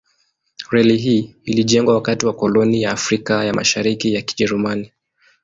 Reli hii ilijengwa wakati wa koloni ya Afrika ya Mashariki ya Kijerumani.